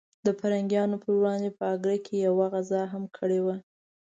د پرنګیانو پر وړاندې په اګره کې یوه غزا هم کړې وه.